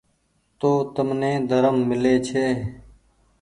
تو تمني ڌرم ميلي ڇي۔